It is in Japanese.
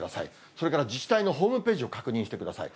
それから自治体のホームページを確認してください。